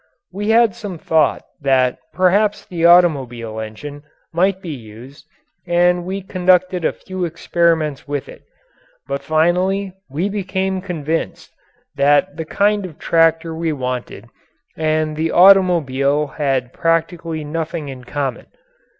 We had some thought that perhaps the automobile engine might be used and we conducted a few experiments with it. But finally we became convinced that the kind of tractor we wanted and the automobile had practically nothing in common.